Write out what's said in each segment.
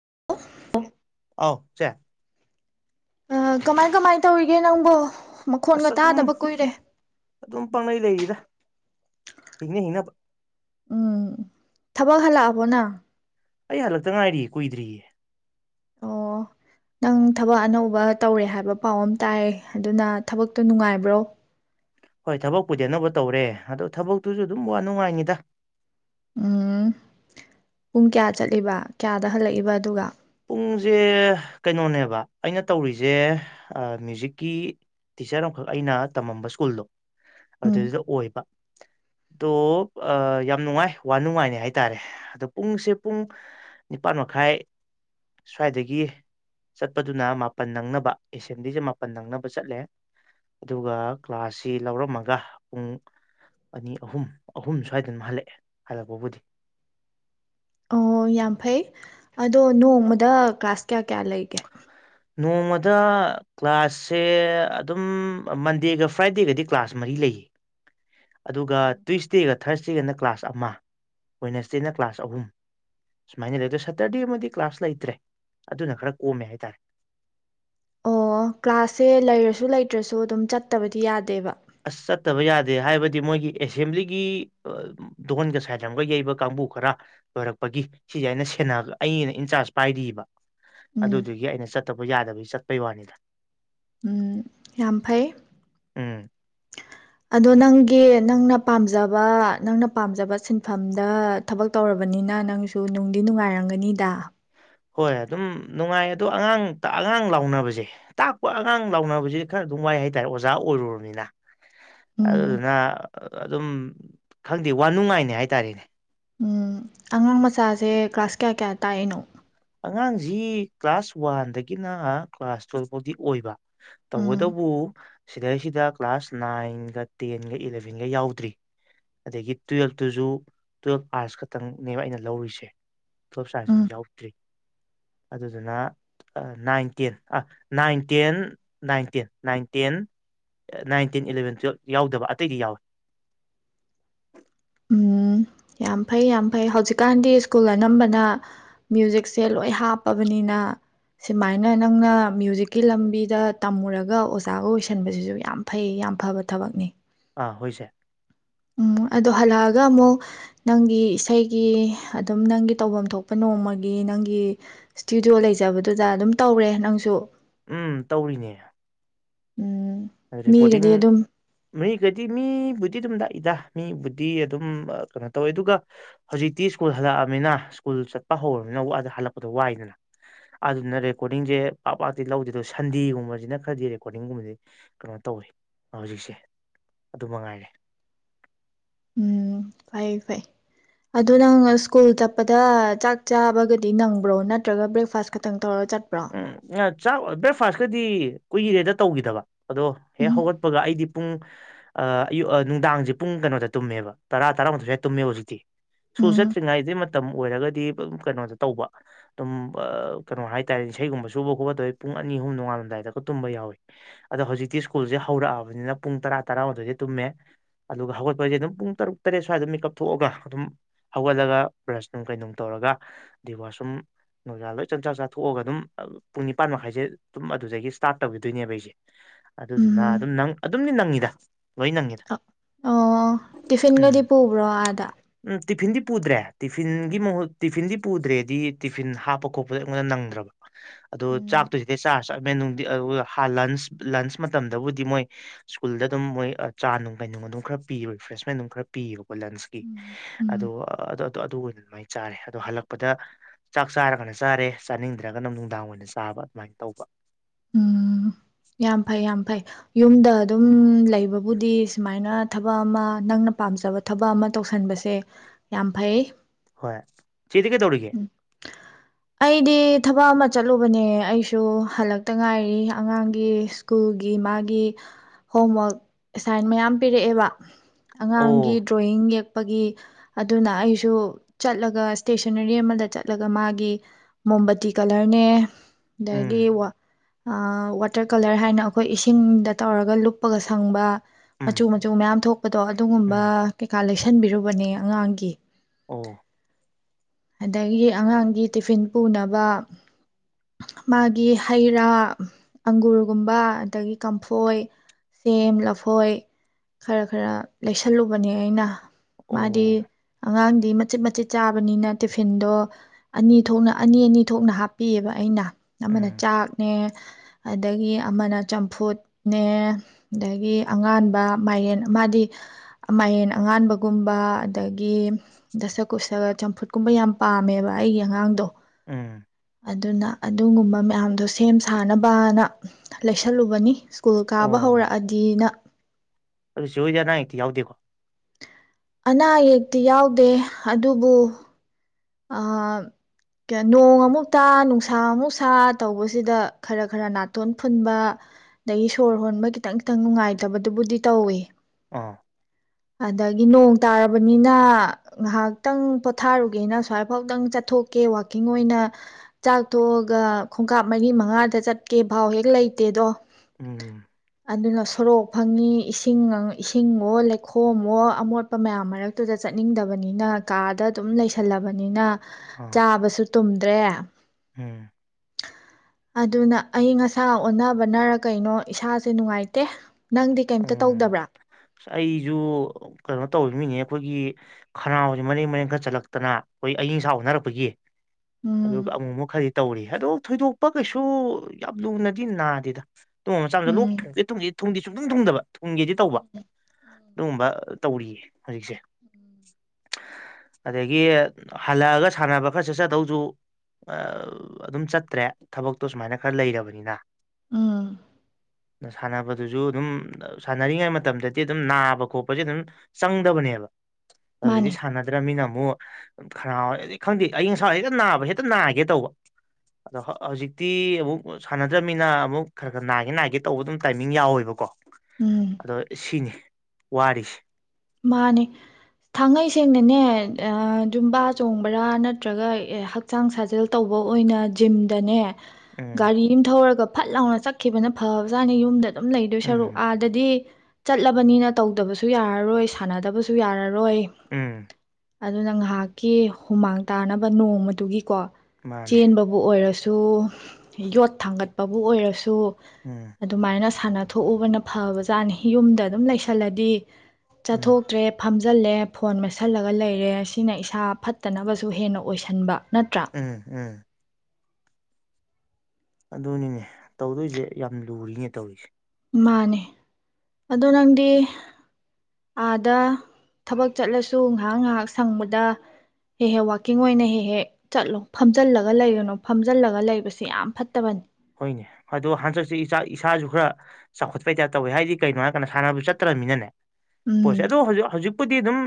[unintelligible] ꯑꯥꯎ ꯆꯦ ꯑ ꯀꯃꯥꯏ ꯀꯃꯥꯏ ꯇꯧꯔꯤꯒꯦ ꯅꯪꯕꯣ ꯃꯈꯣꯟꯒ ꯑꯁ ꯑꯗꯨꯝ ꯇꯥꯗꯕ ꯀꯨꯏꯔꯦ ꯑꯗꯨꯝ ꯄꯪꯂꯩ ꯂꯩꯔꯤꯗ ꯍꯤꯡꯅ ꯍꯤꯡꯅꯕ ꯎꯝ ꯊꯕꯛ ꯍꯜꯂꯛꯑꯕꯣ ꯅꯪ ꯑꯩ ꯍꯜꯂꯛꯇ ꯉꯥꯏꯔꯤꯌꯦ ꯀꯨꯏꯗ꯭ꯔꯤꯌꯦ ꯑꯣ ꯅꯪ ꯊꯕꯛ ꯑꯅꯧꯕ ꯇꯧꯔꯦ ꯍꯥꯏꯕ ꯄꯥꯎ ꯑꯝ ꯇꯥꯏ ꯑꯗꯨꯅ ꯊꯕꯛꯇꯣ ꯅꯨꯡꯉꯥꯏꯕ꯭ꯔꯣ ꯍꯣꯏ ꯊꯕꯛ ꯄꯨꯗꯤ ꯑꯅꯧꯕ ꯇꯧꯔꯦ ꯑꯗꯣ ꯊꯕꯛꯇꯨꯖꯨ ꯑꯗꯨꯝ ꯋꯥ ꯅꯨꯡꯉꯥꯏꯅꯤꯗ ꯎꯝ ꯄꯨꯡ ꯀꯌꯥ ꯆꯠꯂꯤꯕ ꯀꯌꯥꯗ ꯍꯜꯂꯛꯏꯕ ꯑꯗꯨꯒ ꯄꯨꯡꯖꯦ ꯀꯩꯅꯣꯅꯦꯕ ꯑꯩꯅ ꯇꯧꯔꯤꯖꯦ ꯑꯥ ꯃ꯭ꯌꯨꯖꯤꯛꯀꯤ ꯇꯤꯆꯔ ꯑꯝꯈꯛ ꯑꯩꯅ ꯇꯝꯃꯝꯕ ꯁ꯭ꯀꯨꯜꯗꯣ ꯎꯝ ꯑꯗꯨꯗꯨꯗ ꯑꯣꯏꯕ ꯑꯗꯣ ꯑꯥ ꯌꯥꯝ ꯅꯨꯡꯉꯥꯏ ꯋꯥ ꯅꯨꯡꯉꯥꯏꯅꯦ ꯍꯥꯏꯇꯥꯔꯦ ꯑꯗꯣ ꯄꯨꯡꯁꯦ ꯄꯨꯡ ꯅꯤꯄꯥꯜ ꯃꯈꯥꯏ ꯁ꯭ꯋꯥꯏꯗꯒꯤ ꯆꯠꯄꯗꯨꯅ ꯃꯥꯄꯟ ꯅꯪꯅꯕ ꯑꯦꯁꯦꯝꯕ꯭ꯂꯤꯖꯦ ꯃꯥꯄꯟ ꯅꯪꯅꯕ ꯆꯠꯂꯦ ꯑꯗꯨꯒ ꯀ꯭ꯂꯥꯁꯁꯤ ꯂꯧꯔꯝꯃꯒ ꯄꯨꯡ ꯑꯅꯤ ꯑꯍꯨꯝ ꯑꯍꯨꯝ ꯁ꯭ꯋꯥꯏꯗꯅꯨꯝ ꯍꯜꯂꯛꯑꯦ ꯍꯜꯂꯛꯄꯕꯨꯗꯤ ꯑꯣ ꯌꯥꯝ ꯐꯩ ꯑꯗꯣ ꯅꯣꯡꯃꯗ ꯀ꯭ꯂꯥꯁ ꯀꯌꯥ ꯀꯌꯥ ꯂꯩꯒꯦ ꯅꯣꯡꯃꯗ ꯀ꯭ꯂꯥꯁꯁꯦ ꯑꯗꯨꯝ ꯃꯟꯗꯦꯒ ꯐ꯭ꯔꯥꯏꯗꯦꯒꯗꯤ ꯀ꯭ꯂꯥꯁ ꯃꯔꯤ ꯂꯩꯌꯦ ꯑꯗꯨꯒ ꯇꯨꯏꯁꯗꯦꯒ ꯊꯔꯁꯗꯦꯒꯅ ꯀ꯭ꯂꯥꯁ ꯑꯃ ꯋꯦꯅꯁꯗꯦꯅ ꯀ꯭ꯂꯥꯁ ꯑꯍꯨꯝ ꯁꯨꯃꯥꯏꯅ ꯂꯩ ꯑꯗꯣ ꯁꯇꯔꯗꯦ ꯃꯗꯤ ꯀ꯭ꯂꯥꯁ ꯂꯩꯇ꯭ꯔꯦ ꯑꯗꯨꯅ ꯈꯔ ꯀꯣꯝꯃꯦ ꯍꯥꯏꯇꯥꯔꯦ ꯑꯣ ꯀ꯭ꯂꯥꯁꯁꯦ ꯂꯩꯔꯁꯨ ꯂꯩꯇ꯭ꯔꯁꯨ ꯑꯗꯨꯝ ꯆꯠꯇꯕꯗꯤ ꯌꯥꯗꯦꯕ ꯑꯁ ꯆꯠꯇꯕ ꯌꯥꯗꯦ ꯍꯥꯏꯕꯗꯤ ꯃꯣꯏꯒꯤ ꯑꯦꯁꯦꯝꯕ꯭ꯂꯤꯒꯤ ꯗꯣꯟꯒ ꯁꯥꯏꯗ꯭ꯔꯝꯒ ꯌꯩꯕ ꯀꯥꯡꯕꯨ ꯈꯔ ꯂꯣꯏꯔꯛꯄꯒꯤ ꯁꯤꯖꯦ ꯑꯩꯅ ꯁꯦꯅ ꯑꯩꯅ ꯏꯟꯆꯥꯔꯖ ꯄꯥꯏꯔꯤꯕ ꯎꯝ ꯑꯗꯨꯗꯨꯒꯤ ꯑꯩꯅ ꯆꯠꯇꯕ ꯌꯥꯗꯕꯒꯤ ꯆꯠꯄꯩ ꯋꯥꯅꯤꯗ ꯎꯝ ꯌꯥꯝ ꯐꯩ ꯎꯝ ꯑꯗꯣ ꯅꯪꯒꯤ ꯅꯪꯅ ꯄꯥꯝꯖꯕ ꯅꯪꯅ ꯄꯥꯝꯖꯕ ꯁꯤꯟꯐꯝꯗ ꯊꯕꯛ ꯇꯧꯔꯕꯅꯤꯅ ꯅꯪꯁꯨ ꯅꯨꯡꯗꯤ ꯅꯨꯡꯉꯥꯏꯔꯝꯒꯅꯤꯗ ꯍꯣꯏ ꯑꯗꯨꯝ ꯅꯨꯡꯉꯥꯏ ꯑꯗꯣ ꯑꯉꯥꯡ ꯇꯥ ꯑꯉꯥꯡ ꯂꯥꯎꯅꯕꯖꯦ ꯇꯥꯛꯄ ꯑꯉꯥꯡ ꯂꯥꯎꯅꯕꯖꯤ ꯈꯔ ꯑꯗꯨꯝ ꯋꯥꯏ ꯍꯥꯏꯇꯥꯔꯦ ꯑꯣꯖꯥ ꯑꯣꯏꯔꯨꯔꯝꯅꯤꯅ ꯎꯝ ꯑꯗꯨꯗꯨꯅ ꯑꯗꯨꯝ ꯈꯪꯗꯦ ꯋꯥ ꯅꯨꯡꯉꯥꯏꯅꯦ ꯍꯥꯏꯇꯥꯔꯦꯅꯦ ꯎꯝ ꯑꯉꯥꯡ ꯃꯆꯥꯁꯦ ꯀ꯭ꯂꯥꯁ ꯀꯌꯥ ꯀꯌꯥ ꯇꯥꯛꯏꯅꯣ ꯑꯉꯥꯡꯖꯤ ꯀ꯭ꯂꯥꯁ ꯋꯥꯟꯗꯒꯤꯅ ꯀ꯭ꯂꯥꯁ ꯇꯨꯌꯦꯜꯐ ꯐꯧꯗꯤ ꯑꯣꯏꯕ ꯇꯧꯕ ꯎꯝ ꯗꯕꯨ ꯁꯤꯗꯩꯁꯤꯗ ꯀ꯭ꯂꯥꯁ ꯅꯥꯏꯟꯒ ꯇꯦꯟꯒ ꯏꯂꯚꯦꯟꯒ ꯌꯥꯎꯗ꯭ꯔꯤ ꯑꯗꯒꯤ ꯇꯨꯌꯦꯜꯞꯇꯨꯖꯨ ꯇꯨꯌꯦꯜꯞ ꯑꯥꯔꯁ ꯈꯇꯪꯅꯦꯕ ꯑꯩꯅ ꯂꯧꯔꯤꯁꯦ ꯇꯨꯌꯦꯜꯞ ꯁꯥꯏꯟꯁ ꯎꯝ ꯌꯥꯎ ꯗꯔ꯭ꯤ ꯑꯗꯨꯗꯨꯅ ꯅꯥꯏꯟ ꯇꯦꯟ ꯑꯥ nine ten nine ten nine ten nine ten eleven twelve ꯌꯥꯎꯗꯕ ꯑꯇꯩꯗꯤ ꯌꯥꯎꯋꯦ ꯎꯝ ꯌꯥꯝ ꯐꯩ ꯌꯥꯝ ꯐꯩ ꯍꯧꯖꯤꯛꯀꯥꯟꯗꯤ ꯁ꯭ꯀꯨꯜ ꯑꯅꯝꯕꯅ ꯃ꯭ꯌꯨꯖꯤꯛꯁꯦ ꯂꯣꯏ ꯍꯥꯞꯄꯕꯅꯤꯅ ꯁꯨꯃꯥꯏꯅ ꯅꯪꯅ ꯃ꯭ꯌꯨꯖꯤꯛꯀꯤ ꯂꯝꯕꯤꯗ ꯇꯝꯃꯨꯔꯒ ꯑꯣꯖꯥꯒ ꯑꯣꯏꯁꯟꯕꯖꯤꯖꯨ ꯌꯥꯝ ꯐꯩ ꯌꯥꯝ ꯐꯕ ꯊꯕꯛꯅꯤ ꯑ ꯍꯣꯏ ꯆꯦ ꯎꯝ ꯑꯗꯣ ꯍꯜꯂꯛꯑꯒ ꯑꯃꯨꯛ ꯅꯪꯒꯤ ꯏꯁꯩꯒꯤ ꯑꯗꯨꯝ ꯅꯪꯒꯤ ꯇꯧꯕꯝ ꯊꯣꯛꯄ ꯅꯣꯡꯃꯒꯤ ꯅꯪꯒꯤ ꯏꯁꯇꯨꯗꯤꯑꯣ ꯂꯩꯖꯕꯗꯨꯗ ꯑꯗꯨꯝ ꯇꯧꯔꯦ ꯅꯪꯁꯨ ꯎꯝ ꯇꯧꯔꯤꯅꯦ ꯎꯝ ꯔꯦꯀꯣꯗꯤꯡ ꯃꯤꯒꯗꯤ ꯑꯗꯨꯝ ꯃꯤꯒꯗꯤ ꯃꯤꯕꯨꯗꯤꯗꯨꯝ ꯂꯥꯛꯏ ꯏꯗꯥ ꯃꯤꯕꯨꯗꯤ ꯑꯗꯨꯝ ꯀꯩꯅꯣ ꯇꯧꯋꯦ ꯑꯗꯨꯒ ꯍꯧꯖꯤꯛꯇꯤ ꯁ꯭ꯀꯨꯜ ꯍꯜꯂꯛꯑꯃꯤꯅ ꯁ꯭ꯀꯨꯜ ꯆꯠꯄ ꯍꯧꯔꯃꯤꯅ [unintelligible] ꯍꯜꯂꯛꯄꯗꯣ ꯋꯥꯏꯗꯅ ꯑꯗꯨꯅ ꯔꯦꯀꯣꯔꯗꯤꯡꯖꯦ ꯄꯥꯛ ꯄꯥꯛꯇꯤ ꯂꯧꯗꯦ ꯑꯗꯨ ꯁꯟꯗꯦꯒꯨꯝꯕꯖꯤꯅ ꯈꯔꯗꯤ ꯔꯦꯀꯣꯔꯗꯤꯡꯒꯨꯝꯕꯗꯤ ꯀꯅꯣ ꯇꯧꯋꯤ ꯍꯧꯖꯤꯛꯁꯦ ꯑꯗꯨ ꯃꯉꯥꯏꯔꯦ ꯎꯝ ꯐꯩ ꯐꯩ ꯑꯗꯨꯣ ꯅꯪ ꯁ꯭ꯀꯨꯜ ꯆꯠꯄꯗ ꯆꯥꯛ ꯆꯥꯕꯒꯗꯤ ꯅꯪꯕ꯭ꯔꯣ ꯅꯠꯇ꯭ꯔꯒ ꯕ꯭ꯔꯦꯛꯐꯥꯁ ꯈꯇꯪ ꯇꯧꯔ ꯆꯠꯄ꯭ꯔꯣ ꯎꯝ ꯆꯥꯛ ꯕ꯭ꯔꯦꯛꯐꯥꯁꯀꯗꯤ ꯀꯨꯏꯔꯦꯗ ꯇꯧꯈꯤꯗꯕ ꯑꯗꯣ ꯍꯦꯛ ꯎꯝ ꯍꯧꯒꯠꯄꯒ ꯑꯩꯗꯤ ꯄꯨꯡ ꯑꯌꯨꯛ ꯅꯨꯡꯗꯥꯡꯁꯦ ꯄꯨꯡ ꯀꯩꯅꯣꯗ ꯇꯨꯝꯃꯦꯕ ꯇꯔꯥ ꯇꯔꯥꯃꯊꯛ ꯁ꯭ꯋꯥꯏ ꯇꯨꯝꯃꯦꯕ ꯍꯧꯖꯤꯛꯇꯤ ꯁꯨꯜ ꯎꯝ ꯆꯠꯇ꯭ꯔꯤꯉꯩꯗꯩ ꯃꯇꯝ ꯑꯣꯏꯔꯒꯗꯤꯝ ꯀꯩꯅꯣꯗ ꯇꯧꯕ ꯑꯗꯨꯝ ꯀꯩꯅꯣ ꯍꯥꯏ ꯍꯥꯏꯇꯥꯔꯗꯤ ꯏꯁꯩꯒꯨꯝꯕ ꯁꯨꯕ ꯈꯣꯠꯄ ꯇꯧꯋꯤ ꯄꯨꯡ ꯑꯍ ꯅꯉꯥꯜꯂꯝꯗꯥꯏꯗꯒꯀ ꯇꯨꯝꯕ ꯌꯥꯎꯋꯤ ꯑꯗꯣꯖꯤꯤ꯭ꯀꯨꯜꯁꯦ ꯍꯧꯔꯛꯑꯕꯅꯤꯅ ꯄꯨꯡ ꯇꯔꯥ ꯇꯔꯥꯍꯨꯝꯗꯣꯏꯗꯤ ꯇꯨꯝꯃꯦ ꯑꯗꯨꯒ ꯍꯧꯒꯠꯄꯁꯦ ꯑꯗꯨꯝ ꯄꯨꯡ ꯇꯔꯨꯛ ꯇꯔꯦꯠ ꯁ꯭ꯋꯥꯏꯗ ꯃꯤꯀꯞ ꯊꯣꯛꯑꯒ ꯑꯗꯨꯝ ꯍꯧꯒꯠꯂꯒ ꯕ꯭ꯔꯁ ꯅꯨꯡ ꯀꯩꯅꯨꯡ ꯇꯧꯔꯒ ꯗꯤꯋꯥꯁ ꯔꯨꯝ ꯅꯨꯡꯖꯥ ꯂꯣꯏ ꯆꯪ ꯆꯥꯛ ꯆ ꯊꯣꯛꯑꯒ ꯑꯗꯨꯝ ꯄꯨꯡ ꯅꯤꯄꯥꯟ ꯃꯈꯥꯏꯁꯦ ꯑꯗꯨꯝ ꯑꯗꯨꯗꯒꯤ ꯏꯁꯇꯥꯔꯠ ꯇꯧꯈꯤꯗꯣꯏꯅꯦꯕ ꯑꯩꯁꯦ ꯑꯗꯨꯗꯨꯅ ꯎꯝ ꯑꯗꯨꯝ ꯅꯪ ꯑꯗꯨꯝꯗꯤ ꯅꯪꯉꯤꯗ ꯂꯣꯏ ꯅꯪꯉꯤꯗ ꯑꯣ ꯎꯝ ꯇꯤꯐꯤꯟꯒꯗꯤ ꯄꯨꯕ꯭ꯔꯣ ꯑꯥꯗ ꯎꯝ ꯇꯤꯐꯤꯟꯗꯤ ꯄꯨꯗ꯭ꯔꯦ ꯇꯤꯐꯤꯟꯒꯤ ꯃꯍꯨ ꯇꯤꯐꯤꯟꯗꯤ ꯄꯨꯗ꯭ꯔꯦꯗꯤ ꯇꯤꯐꯤꯟ ꯍꯥꯞꯄ ꯈꯣꯠꯄꯗ ꯑꯩꯉꯣꯟꯗ ꯅꯪ ꯗ꯭ꯔꯥꯕ ꯑꯗꯨꯗ ꯎꯝ ꯆꯥꯛꯇꯨ ꯁꯤꯗꯩ ꯆꯥꯔ ꯆꯥꯛꯃꯦꯟ ꯅꯨꯡꯗꯤ ꯑꯗꯨꯒ ꯂꯟꯁ ꯂꯟꯁ ꯃꯇꯝꯗꯕꯨꯗꯤ ꯃꯣꯏ ꯁ꯭ꯀꯨꯜꯗ ꯑꯗꯨꯝ ꯃꯣꯏ ꯆꯥꯅꯨꯡ ꯀꯩꯅꯨꯡ ꯑꯗꯨꯝ ꯈꯔ ꯄꯤꯕ ꯔꯤꯐ꯭ꯔꯦꯁꯃꯦꯟ ꯑꯗꯨꯝ ꯈꯔ ꯄꯤꯌꯨꯀꯣ ꯂꯟꯁꯀꯤ ꯎꯝ ꯎꯝ ꯑꯗꯣ ꯑ ꯑꯗꯨ ꯑꯣꯏꯅ ꯑꯗꯨꯃꯥꯏꯅ ꯆꯥꯔꯦ ꯑꯗꯣ ꯍꯜꯂꯛꯄꯗ ꯆꯥꯛ ꯆꯥꯔꯒꯅ ꯆꯥꯔꯦ ꯆꯥꯅꯤꯡꯗ꯭ꯔꯒꯅꯝ ꯅꯨꯡꯗꯥꯡ ꯑꯣꯏꯅ ꯆꯥꯕ ꯑꯗꯨꯃꯥꯏꯅ ꯇꯧꯕ ꯎꯝ ꯌꯥꯝ ꯐꯩ ꯌꯥꯝ ꯐꯩ ꯌꯨꯝꯗ ꯑꯗꯨꯝ ꯂꯩꯕꯕꯨꯗꯤ ꯁꯨꯃꯥꯏꯅ ꯊꯕꯛ ꯑꯃ ꯅꯪꯅ ꯄꯥꯝꯖꯕ ꯊꯕꯛ ꯑꯃ ꯇꯧꯁꯟꯕꯁꯦ ꯌꯥꯝ ꯐꯩ ꯍꯣꯏ ꯆꯦꯗꯤ ꯀꯩꯗꯧꯔꯤꯒꯦ ꯎꯝ ꯑꯩꯗꯤ ꯊꯕꯛ ꯑꯃ ꯆꯠꯂꯨꯕꯅꯦ ꯑꯩꯁꯨ ꯍꯜꯂꯛꯇ ꯉꯥꯏꯔꯤ ꯑꯉꯥꯡꯒꯤ ꯁ꯭ꯀꯨꯜꯒꯤ ꯃꯥꯒꯤ ꯍꯣꯝꯋꯛ ꯑꯦꯁꯥꯏꯟ ꯃꯌꯥꯝ ꯄꯤꯔꯛꯑꯦꯕ ꯑꯉꯥꯡꯒꯤ ꯑꯣ ꯗ꯭ꯔꯣꯌꯤꯡ ꯄꯒꯤ ꯑꯗꯨꯅ ꯑꯩꯁꯨ ꯆꯠꯂꯒ ꯏꯁꯇꯦꯁꯟ ꯅꯔꯤ ꯑꯃꯗ ꯆꯠꯂꯒ ꯃꯥꯒꯤ ꯃꯣꯝꯕꯇꯤ ꯀꯂꯔꯅꯦ ꯑꯗꯒꯤ ꯎꯝ ꯋꯥꯇꯔ ꯀꯂꯔ ꯍꯥꯏꯅ ꯑꯩꯈꯣꯏ ꯏꯁꯤꯡꯗ ꯇꯧꯔꯒ ꯂꯨꯞꯄꯒ ꯁꯪꯕ ꯃꯆꯨ ꯎꯝ ꯃꯆꯨ ꯃꯌꯥꯝ ꯊꯣꯛꯄꯗꯣ ꯑꯗꯨꯒꯨꯝꯕ ꯎꯝ ꯀꯩꯀꯥ ꯂꯩꯁ ꯁꯟꯕꯤꯔꯨꯕꯅꯦ ꯑꯉꯥꯡꯒꯤ ꯑꯣ ꯑꯗꯒꯤ ꯑꯉꯥꯡꯒꯤ ꯇꯤꯐꯤꯟ ꯄꯨꯅꯕ ꯃꯥꯒꯤ ꯍꯩ ꯔꯥ ꯑꯪꯒꯨꯔ ꯒꯨꯝꯕ ꯑꯗꯒꯤ ꯀꯝꯐꯣꯏ ꯁꯦꯝ ꯂꯐꯣꯏ ꯈꯔ ꯈꯔ ꯂꯩꯁꯜꯂꯨꯕꯅꯦ ꯑꯩꯅ ꯃꯥꯗꯤ ꯑꯣ ꯑꯉꯥꯡ ꯃꯆꯦꯠ ꯃꯆꯦꯠ ꯆꯥꯕꯅꯤꯅ ꯇꯤꯐꯤꯟꯗꯣ ꯑꯅꯤ ꯊꯣꯛꯅ ꯑꯅꯤ ꯑꯅꯤ ꯊꯣꯛꯅ ꯍꯥꯞꯄꯤꯑꯕ ꯑꯩꯅ ꯑꯃꯅ ꯎꯝ ꯆꯥꯛꯅꯦ ꯑꯗꯒꯤ ꯑꯃꯅ ꯆꯝꯐꯨꯠꯅꯦ ꯑꯗꯒꯤ ꯑꯉꯥꯟꯕ ꯃꯥꯏꯔꯦꯟ ꯃꯥꯗꯤ ꯃꯥꯏꯔꯦꯟ ꯑꯉꯥꯟꯕꯒꯨꯝꯕ ꯑꯗꯒꯤ ꯗꯥꯁꯛꯀꯨꯠꯁꯒ ꯆꯝꯐꯨꯠ ꯀꯨꯝꯕ ꯌꯥꯝ ꯄꯥꯝꯃꯦꯕ ꯑꯩꯒꯤ ꯑꯉꯥꯡꯗꯣ ꯎꯝ ꯑꯗꯨꯅ ꯑꯗꯨꯒꯨꯝꯕ ꯃꯌꯥꯝꯗꯣ ꯁꯦꯝ ꯁꯥꯅꯕꯅ ꯂꯩꯁꯜꯂꯨꯕꯅꯤ ꯁ꯭ꯀꯨꯜ ꯀꯥꯕ ꯑꯣ ꯍꯧꯔꯛꯑꯗꯤꯅ ꯑꯗꯨ ꯆꯦ ꯍꯣꯏꯗꯤ ꯑꯅꯥ ꯑꯌꯦꯛꯇꯤ ꯌꯥꯎꯗꯦꯀꯣ ꯑꯅꯥ ꯌꯦꯛꯇꯤ ꯌꯥꯎꯗꯦ ꯑꯗꯨꯕꯨ ꯑ ꯅꯣꯡ ꯑꯃꯨꯛꯇꯥ ꯅꯨꯡꯁꯥ ꯑꯃꯨꯛ ꯁꯥ ꯇꯧꯕꯁꯤꯗ ꯈꯔ ꯈꯔ ꯅꯥꯇꯣꯟ ꯐꯨꯟꯕ ꯑꯗꯒꯤ ꯁꯣꯔ ꯍꯣꯟꯕ ꯈꯤꯇꯪ ꯈꯤꯇꯪ ꯅꯨꯡꯉꯥꯏꯇꯕꯗꯨꯕꯨꯗꯤ ꯇꯧꯋꯦ ꯑꯥ ꯑꯗꯒꯤ ꯅꯣꯡ ꯇꯥꯔꯕꯅꯤꯅ ꯉꯥꯏꯍꯥꯛꯇꯪ ꯄꯣꯊꯥꯔꯨꯒꯦꯅ ꯁ꯭ꯋꯥꯏꯐꯥꯎꯗꯪ ꯆꯠꯊꯣꯛꯀꯦ ꯋꯥꯛꯀꯤꯡ ꯑꯣꯏꯅ ꯆꯥꯛꯊꯣꯛꯑꯒ ꯈꯣꯡꯀꯥꯞ ꯃꯔꯤ ꯃꯉꯥꯗ ꯆꯠꯀꯦ ꯐꯥꯎ ꯍꯦꯛ ꯂꯩꯇꯦꯗꯣ ꯎꯝ ꯑꯗꯨꯅ ꯁꯣꯔꯣꯛ ꯐꯪꯉꯤ ꯏꯁꯤꯡ ꯏꯁꯤꯡꯉꯣ ꯂꯩꯈꯣꯝꯃꯣ ꯑꯃꯣꯠꯄ ꯃꯌꯥꯝ ꯃꯔꯛꯇꯨꯗ ꯆꯠꯅꯤꯡꯗꯕꯅꯤꯅ ꯀꯥꯗ ꯑꯗꯨꯝ ꯂꯩꯁꯜꯂꯕ ꯇꯕꯅꯤꯅ ꯑꯥ ꯆꯥꯕꯁꯨ ꯇꯨꯝꯗ꯭ꯔꯦ ꯎꯝ ꯑꯗꯨꯅ ꯑꯏꯪ ꯑꯁꯥ ꯑꯣꯟꯅꯕꯅꯔ ꯀꯩꯅꯣ ꯏꯁꯥꯁꯦ ꯅꯨꯡꯉꯥꯏꯇꯦ ꯅꯪꯗꯤ ꯀꯩꯝꯇ ꯎꯝ ꯇꯧꯗꯕ꯭ꯔꯥ ꯑꯩꯁꯨ ꯀꯩꯅꯣ ꯇꯧ ꯃꯤꯉ ꯑꯩꯈꯣꯏꯒꯤ ꯈꯅꯥꯎꯁꯦ ꯃꯦꯡ ꯃꯔꯦꯡ ꯈꯔ ꯆꯜꯂꯛꯇꯅ ꯑꯩꯈꯣꯏ ꯑꯏꯤꯡꯁꯥ ꯍꯅꯔꯛꯄꯒꯤ ꯎꯝ ꯑꯗꯨꯒ ꯑꯃꯨꯛ ꯑꯃꯨꯛ ꯈꯔꯗꯤ ꯇꯧꯔꯤ ꯍꯗꯣꯛ ꯊꯣꯏꯗꯣꯛꯄ ꯀꯩꯁꯨ ꯌꯥꯝ ꯂꯨꯅꯗꯤ ꯅꯥꯗꯦꯗ ꯆꯂ ꯂꯣꯛ ꯎꯝ ꯊ ꯊꯨꯡꯒꯤ ꯑꯗꯨꯝ ꯊꯨꯡꯗꯕ ꯊꯨꯡꯒꯤꯗꯤ ꯇꯧꯕ ꯎꯝ ꯑꯗꯨꯒꯨꯝꯕ ꯇꯧꯔꯤꯌꯦ ꯍꯧꯖꯤꯛꯁꯦ ꯑꯗꯒꯤ ꯍꯜꯂꯛꯑꯒ ꯁꯥꯟꯅꯕ ꯈꯔ ꯆꯠꯆꯗꯧꯖ ꯑꯗꯨꯝ ꯆꯠꯇ꯭ꯔꯦ ꯊꯕꯛꯇꯣ ꯁꯨꯃꯥꯏꯅ ꯈꯔ ꯂꯩꯔꯕꯅꯤꯅ ꯑꯥ ꯁꯥꯟꯕꯗꯨ ꯁꯨ ꯑꯗꯨꯝ ꯁꯥꯟꯅꯔꯤꯉꯩ ꯃꯇꯝꯗꯗꯤ ꯑꯗꯨꯝ ꯅꯥꯕ ꯈꯣꯠꯄꯁꯦ ꯑꯗꯨꯝ ꯆꯪꯗꯕꯅꯦꯕ ꯁꯨꯗꯤ ꯃꯥꯅꯦ ꯁꯥꯟꯅꯗ ꯑꯃ ꯃꯤ ꯅꯝ ꯑꯃꯛ ꯈꯔ ꯈꯪꯗꯦ ꯑꯏꯤꯡ ꯑꯁꯥ ꯍꯦꯛꯇ ꯅꯥꯕ ꯍꯦꯛꯇ ꯅꯥꯒꯦ ꯇꯧꯕ ꯑꯗꯣ ꯍꯧꯖꯤꯛꯇꯤ ꯑꯃꯨꯛ ꯁꯥꯟꯅꯗ꯭ꯔꯕꯃꯤꯅ ꯑꯃꯨꯛ ꯈꯔ ꯈꯔ ꯅꯥꯒꯦ ꯅꯥꯒꯦ ꯇꯧꯕ ꯑꯗꯨꯝ ꯇꯥꯏꯃꯤꯡ ꯌꯥꯎꯋꯦꯕ ꯂꯨꯀꯣ ꯎꯝ ꯑꯗꯣ ꯁꯤꯅꯤ ꯋꯥꯔꯤꯁ ꯃꯥꯅꯦ ꯊꯥꯡꯉꯩ ꯁꯦꯡꯅꯅꯦ ꯨꯝꯕꯥ ꯆꯣꯡꯕꯔꯥ ꯅꯠꯇ꯭ꯔꯒ ꯍꯛꯆꯥꯡ ꯁꯥꯖꯦꯜ ꯇꯧꯕ ꯑꯣꯏꯅ ꯖꯤꯝꯗꯅꯦ ꯎꯝ ꯒꯥꯔꯤꯅꯤ ꯊꯧꯔꯒ ꯐꯠ ꯂꯥꯎꯅ ꯆꯠꯈꯤꯕꯅ ꯐꯕ ꯆꯥꯅꯤ ꯌꯨꯝꯗ ꯑꯗꯨꯝ ꯂꯩꯗꯣꯏ ꯁꯔꯨꯛ ꯎꯝ ꯑꯥꯗꯗꯤ ꯆꯠꯂꯕꯅꯤꯅ ꯇꯧꯗꯕꯁꯨ ꯌꯥꯔꯔꯣꯏ ꯁꯥꯟꯅꯗꯕꯁꯨ ꯌꯥꯔꯔꯣꯏ ꯇꯣꯏ ꯎꯝ ꯑꯗꯨꯅ ꯉꯥꯏꯍꯥꯛꯀꯤ ꯍꯨꯃꯥꯡ ꯇꯥꯅꯕ ꯅꯣꯡꯃꯗꯨꯒꯤꯀꯣ ꯃꯥꯅꯦ ꯆꯦꯟꯕꯕꯨ ꯑꯣꯏꯔꯁꯨ ꯑꯗꯨ ꯌꯣꯠ ꯊꯥꯡꯒꯠꯄꯕꯨ ꯑꯣꯏꯔꯁꯨ ꯎꯝ ꯑꯗꯨꯃꯥꯏꯅ ꯁꯥꯟꯅ ꯊꯣꯛꯎꯕꯅ ꯐꯕꯖꯥꯠꯅꯤ ꯌꯨꯝꯗ ꯑꯗꯨꯝ ꯂꯩꯁꯜꯂꯗꯤ ꯎꯝ ꯆꯠꯊꯣꯛꯇ꯭ꯔꯦ ꯐꯝ ꯐꯥꯖꯤꯜꯂꯦ ꯐꯣꯟ ꯃꯦꯠꯁꯤꯜꯂꯒ ꯂꯩꯔꯦ ꯁꯤꯅ ꯏꯁꯥ ꯐꯠꯇꯅꯕꯁꯨ ꯍꯦꯟꯅ ꯑꯣꯏꯁꯟꯕ ꯅꯠꯇ꯭ꯔꯥ ꯎꯝ ꯎꯝ ꯑꯗꯨꯅꯤꯅꯦ ꯇꯧꯗꯣꯏꯁꯦ ꯌꯥꯝ ꯂꯨꯔꯤꯅꯦ ꯇꯧꯔꯤꯁꯦ ꯃꯥꯅꯦ ꯑꯗꯣ ꯅꯪꯗꯤ ꯑꯥꯗ ꯊꯕꯛ ꯆꯠꯂꯁꯨ ꯉꯥꯏꯍꯥꯛ ꯉꯥꯏꯍꯥꯛ ꯁꯪꯕꯗ ꯍꯦꯛ ꯍꯦꯛ ꯋꯥꯥꯛꯀꯤꯡ ꯑꯣꯏꯅ ꯍꯦꯛ ꯍꯦꯛ ꯆꯠꯂꯣ ꯐꯝꯖꯜꯂꯒ ꯂꯩꯒꯨꯅꯨ ꯐꯝꯖꯤꯜꯂꯒ ꯂꯩꯕꯁꯦ ꯌꯥꯝ ꯐꯠꯇꯕꯅꯤ ꯍꯣꯏꯅꯦ ꯑꯗꯣ ꯍꯟꯗꯛꯁ ꯏꯁꯥꯁꯨ ꯈꯔ ꯆꯥꯎꯈꯠꯄꯩꯇꯥꯔ ꯇꯧꯋꯦ ꯍꯥꯏꯗꯤ ꯀꯩꯅꯣ ꯍꯥꯏꯔ ꯀꯥꯟꯗ ꯁꯥꯟꯅꯕꯁꯨ ꯆꯠꯇ꯭ꯔꯃꯤꯅꯅꯦ ꯎꯝ ꯄꯩꯁꯥ ꯑꯗꯨ ꯍꯧꯖꯤ ꯍꯧꯖꯤꯛ ꯄꯨꯗꯤ ꯑꯗꯨꯝ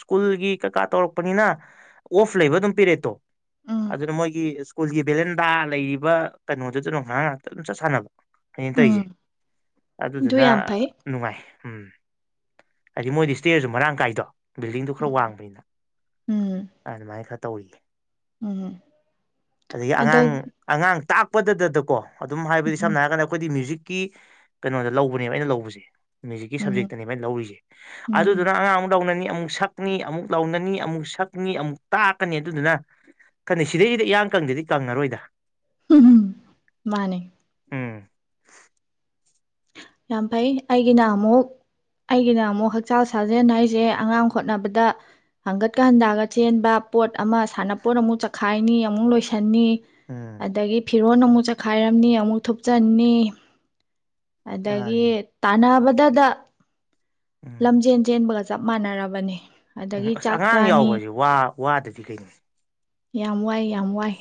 ꯁ꯭ꯀꯨꯜꯒꯤ ꯀꯀꯥ ꯇꯧꯔꯛꯄꯅꯤꯅ ꯑꯣꯐ ꯂꯩꯕ ꯑꯗꯨꯝ ꯄꯤꯔꯦꯠꯇꯣ ꯎꯝ ꯑꯗꯨꯅ ꯃꯣꯏꯒꯤ ꯁ꯭ꯀꯨꯜꯒꯤ ꯕꯦꯂꯦꯟꯗꯥ ꯂꯩꯔꯤꯕ ꯀꯩꯅꯣꯗꯨꯁꯨ ꯑꯗꯨꯝ ꯉꯔꯥꯡ ꯉꯥꯛꯇ ꯑꯗꯨꯝ ꯆꯠ ꯁꯥꯟꯅꯕ ꯑꯩꯅ ꯎꯝ ꯇꯧꯔꯤꯁꯦ ꯑꯗꯨ ꯑꯗꯨꯗꯨꯅ ꯌꯥꯝ ꯐꯩ ꯅꯨꯡꯉꯥꯏ ꯎꯝ ꯍꯥꯏꯗꯤ ꯃꯣꯏꯗꯤ ꯏꯁ꯭ꯇꯦꯖꯁꯨ ꯃꯔꯥꯡ ꯀꯥꯏꯗꯣ ꯕꯤꯜꯗꯤꯡꯗꯨꯣ ꯈꯔ ꯎꯝ ꯋꯥꯡꯕꯅꯤꯅ ꯎꯝ ꯑꯗꯨꯃꯥꯏꯅ ꯈꯔ ꯇꯧꯔꯤ ꯎꯝ ꯑꯗꯒꯤ ꯑꯗ ꯑꯉꯥꯡ ꯑꯉꯥꯡ ꯇꯥꯛ ꯎ ꯄꯄꯗꯗꯗꯀꯣ ꯑꯗꯨꯝ ꯍꯥꯏꯕꯗꯤ ꯎꯝ ꯁꯝꯅ ꯍꯥꯏꯔꯒꯗ ꯑꯩꯈꯣꯏꯗꯤ ꯃ꯭ꯌꯨꯖꯤꯛ ꯀꯤ ꯀꯩꯅꯣꯗ ꯂꯧꯕꯅꯦꯕ ꯑꯩꯅ ꯂꯧꯕꯁꯦ ꯃ꯭ꯌꯨꯖꯤꯛꯀꯤ ꯎꯝ ꯁꯕꯖꯦꯛꯇꯅꯦꯕꯥꯏꯅ ꯂꯧꯔꯤꯁꯦ ꯎꯝ ꯑꯗꯨꯗꯨꯅ ꯑꯉꯥꯡ ꯑꯃꯨꯛꯗꯧꯅ ꯑꯃꯨꯛ ꯁꯛꯅꯤ ꯑꯃꯨꯛ ꯂꯧꯥꯎꯅꯅꯤ ꯑꯃꯨꯛ ꯁꯛꯅꯤ ꯑꯃꯨꯛ ꯇꯥꯛꯀꯅꯤ ꯑꯗꯨꯗꯨꯅ ꯈꯟꯅꯩ ꯁꯤꯗꯩꯁꯤꯗꯤ ꯏꯌꯥꯡ ꯀꯪꯗꯗꯤ ꯀꯪꯉꯔꯣꯏꯗ ꯃꯥꯅꯦ ꯎꯝ ꯌꯥꯝ ꯐꯩ ꯑꯩꯒꯤꯅ ꯑꯃꯨꯛ ꯑꯩꯒꯤꯅ ꯑꯃꯨꯛ ꯍꯛꯆꯥꯡ ꯁꯥꯖꯦꯜ ꯍꯥꯏꯁꯦ ꯑꯉꯥꯡ ꯈꯣꯠꯅꯕꯗ ꯍꯪꯒꯠꯀ ꯍꯟꯗꯥꯒ ꯆꯦꯟꯕ ꯄꯣꯠ ꯑꯃ ꯁꯥꯟꯅꯄꯣꯠ ꯑꯃꯨꯛ ꯆꯈꯥꯏꯅꯤ ꯑꯃꯨꯛ ꯂꯣꯏꯁꯟꯅꯤ ꯎꯝ ꯑꯗꯒꯤ ꯐꯤ ꯣꯟ ꯑꯃꯨꯛ ꯆꯈꯥꯏꯔꯝꯅꯤ ꯑꯃꯨꯛ ꯊꯨꯞꯆꯟꯅꯤ ꯑꯗꯒꯤ ꯃꯥꯅꯤ ꯇꯥꯟꯅꯕ ꯗꯗꯥ ꯎꯝ ꯂꯝꯖꯦꯟꯖꯦꯟꯕ ꯆꯞ ꯃꯥꯟꯅꯔꯕꯅꯤ ꯎꯝ ꯑꯗꯒꯤ ꯑꯁ ꯆꯥꯛ ꯑꯉꯥꯡ ꯆꯥꯅꯤ ꯌꯥꯎꯕꯁꯦ ꯋꯥ ꯋꯥꯗꯗꯤ ꯀꯩꯅꯣ ꯌꯥꯝ ꯋꯥꯏ ꯌꯥꯝ ꯋꯥꯏ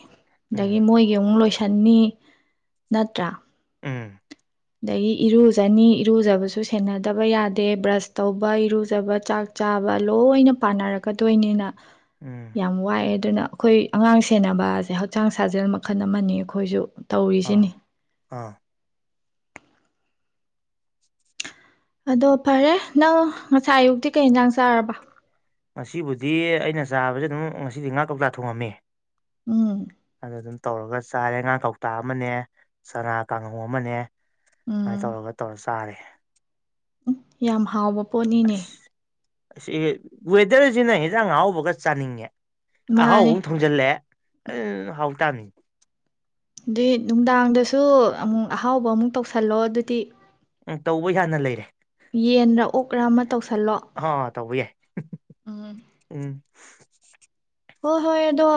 ꯎꯝ ꯑꯗꯒꯤ ꯃꯣꯏꯒꯤ ꯑꯃꯨꯛ ꯂꯣꯏꯁꯟ ꯁꯟꯅꯤ ꯅꯠꯇ꯭ꯔꯥ ꯎꯝ ꯑꯗꯒꯤ ꯏꯔꯨꯖꯅꯤ ꯏꯔꯨꯖꯕꯁꯨ ꯁꯦꯟꯅꯗꯕ ꯌꯥꯗꯦ ꯕ꯭ꯔꯁ ꯇꯧꯕ ꯏꯔꯨꯖꯕ ꯆꯥꯛ ꯆꯥꯕ ꯂꯣꯏꯅ ꯄꯥꯅꯔꯛꯀꯗꯣꯏꯅꯤꯅ ꯎꯝ ꯌꯥꯝ ꯋꯥꯏꯑꯦ ꯑꯗꯨꯅ ꯑꯩꯈꯣꯏ ꯑꯉꯥꯡ ꯁꯦꯟꯅꯕꯁꯦ ꯍꯛꯆꯥꯡ ꯁꯥꯖꯦꯜ ꯃꯈꯜ ꯑꯃꯅꯤ ꯑꯩꯈꯣꯏꯁꯨ ꯑꯥ ꯇꯧꯔꯤꯁꯤꯅꯤ ꯑꯥ ꯑꯗꯣ ꯐꯔꯦ ꯅꯪ ꯉꯁꯥꯏ ꯑꯌꯨꯛꯇꯤ ꯀꯩ ꯏꯟꯖꯥꯡ ꯆꯥꯔꯕ ꯉꯁꯤꯕꯨꯗꯤ ꯑꯩꯅ ꯆꯥꯕꯁꯦ ꯑꯗꯨꯝ ꯉꯁꯤꯗꯤ ꯉꯥ ꯀꯧꯇꯥ ꯊꯣꯡꯉꯝꯃꯦ ꯎꯝ ꯑꯗꯨꯝ ꯇꯧꯔꯒ ꯆꯥꯔꯦ ꯉꯥ ꯀꯧꯇꯥ ꯑꯃꯅꯦ ꯁꯅꯥ ꯀꯥꯡꯍꯧ ꯑꯃꯅꯦ ꯁꯃꯥꯏꯅ ꯇꯧꯔꯒ ꯇꯧꯔ ꯆꯥꯔꯦ ꯎ ꯌꯥꯝ ꯍꯥꯎꯕ ꯄꯣꯅꯤꯅꯦ ꯑꯁ ꯑꯁꯤ ꯋꯦꯗꯔꯁꯤꯅ ꯌꯦꯟꯖꯥꯡ ꯍꯥꯎꯕꯒ ꯆꯥꯅꯤꯡꯉꯦ ꯑꯍꯥꯎ ꯃꯥꯅꯦ ꯊꯣꯡꯖꯤꯜꯂꯦ ꯑꯗꯨ ꯍꯥꯎ ꯇꯥꯅꯤ ꯑꯗꯨꯏ ꯅꯨꯡꯗꯥꯡꯗꯁꯨ ꯑꯃꯨꯛ ꯑꯍꯥꯎꯕ ꯑꯃꯨꯛ ꯇꯧꯁꯜꯂꯣ ꯑꯗꯨꯗꯤ ꯎꯝ ꯇꯧꯕ ꯍꯅ ꯂꯩꯔꯦ ꯌꯦꯟꯔ ꯑꯣꯛꯔ ꯑꯃ ꯇꯧꯁꯜꯂꯣ ꯑꯥ ꯇꯧꯕ ꯌꯥꯏ ꯎꯝ ꯎꯝ [inaudible] ꯍꯣꯏ ꯍꯣꯏ ꯑꯗꯣ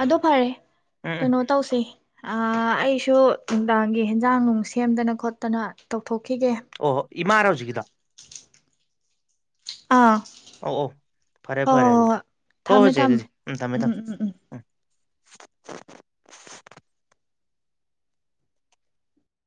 ꯑꯗꯣ ꯐꯔꯦ ꯎꯝ ꯎꯝ ꯀꯩꯅꯣ ꯇꯧꯁꯦ ꯑꯩꯁꯨ ꯅꯨꯡꯗꯥꯡꯒꯤ ꯍꯦꯟꯖꯥꯡ ꯅꯨꯡ ꯁꯦꯝꯗꯅ ꯈꯣꯠꯇꯅ ꯇꯧꯊꯣꯛ ꯈꯤꯒꯦ ꯏꯃꯥꯔ ꯍꯧꯖꯤꯒꯤꯗ ꯑꯥ ꯑꯧ ꯑꯣꯧ ꯐꯔꯦ ꯍꯣꯏ ꯐꯔꯦ ꯍꯣꯏ ꯑꯗꯨꯗꯤ ꯍꯣꯏ ꯍꯣ ꯊꯝꯃꯦ ꯍꯣꯏꯁꯦ ꯊꯝꯃꯦ ꯑꯗꯨꯗꯤ ꯎꯝ ꯊꯝꯃꯦ ꯊꯝꯃꯦ ꯎꯝ